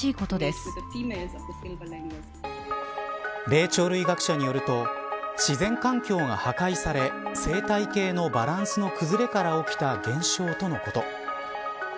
霊長類学者によると自然環境が破壊され生態系のバランスの崩れから起きた現象とのこと。